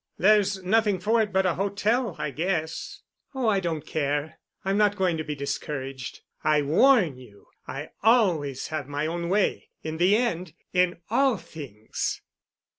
There's nothing for it but a hotel, I guess." "Oh, I don't care. I'm not going to be discouraged. I warn you I always have my own way—in the end—in all things."